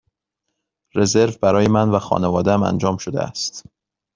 رزرو برای من و خانواده ام انجام شده است.